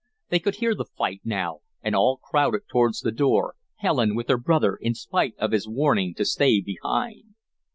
They could hear the fight now, and all crowded towards the door, Helen with her brother, in spite of his warning to stay behind.